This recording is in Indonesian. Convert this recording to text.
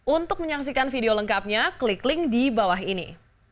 untuk menyaksikan video lengkapnya klik link di bawah ini